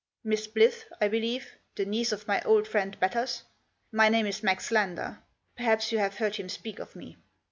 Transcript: " Miss Blyth, I believe, the niece of my old friend Batters. My name is Max Lander. Perhaps you have heard him speak of me."